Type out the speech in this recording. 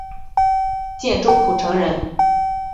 建州浦城人。